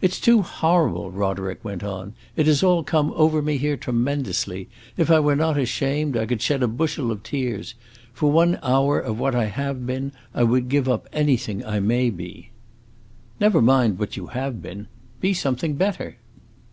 "It 's too horrible," Roderick went on; "it has all come over me here tremendously! If I were not ashamed, I could shed a bushel of tears. For one hour of what I have been, I would give up anything I may be!" "Never mind what you have been; be something better!"